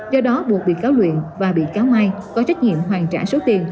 do đó buộc bị cáo luyện và bị cáo mai có trách nhiệm hoàn trả số tiền